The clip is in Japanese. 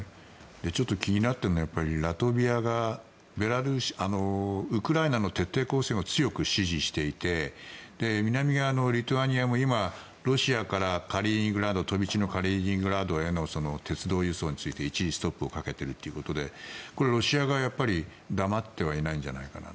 ちょっと気になっているのはラトビアがウクライナの徹底抗戦を強く支持していて南側のリトアニアも今、ロシアから飛び地のカリーニングラードへの鉄道輸送について一時、ストップをかけているということでこれ、ロシア側は黙ってはいないんじゃないかな。